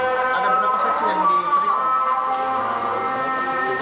ada beberapa saksi yang diperiksa